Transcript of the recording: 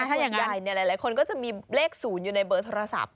ถ้าอย่างนั้นในคุณใหญ่คนก็จะมีเลข๐อยู่ในเบอร์โทรศัพท์